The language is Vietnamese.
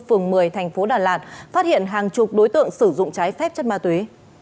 phường một mươi thành phố đà lạt phát hiện hàng chục đối tượng sử dụng trái phép chất ma túy